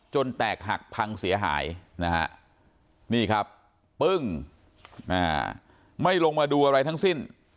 แตกหักพังเสียหายนะฮะนี่ครับปึ้งไม่ลงมาดูอะไรทั้งสิ้น